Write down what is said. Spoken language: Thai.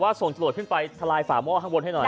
ส่งตรวจขึ้นไปทลายฝาหม้อข้างบนให้หน่อย